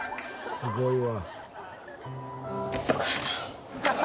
すごいね。